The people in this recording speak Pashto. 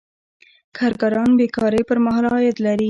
کارګران بې کارۍ پر مهال عاید لري.